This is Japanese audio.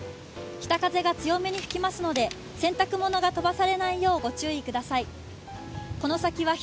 北風が強めに吹きますので、洗濯物が飛ばされないようご注意ください。